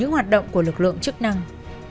hoạt động của lực lượng chức năng